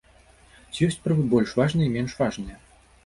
Ці ёсць правы больш важныя і менш важныя?